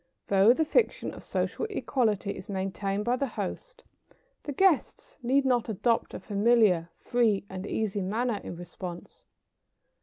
Though the fiction of social equality is maintained by the host, the guests need not adopt a familiar, free and easy manner in response.